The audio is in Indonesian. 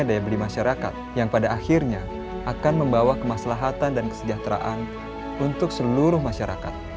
daya beli masyarakat yang pada akhirnya akan membawa kemaslahatan dan kesejahteraan untuk seluruh masyarakat